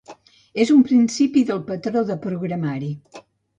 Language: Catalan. És un principi del patró de programari.